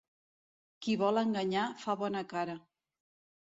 Qui vol enganyar fa bona cara.